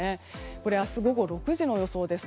これ、明日午後６時の予想です。